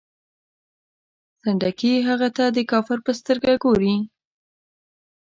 سنډکي هغه ته د کافر په سترګه ګوري.